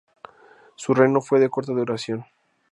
Su reino fue de corta duración.